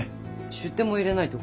出典も入れないと。